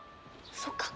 そっか。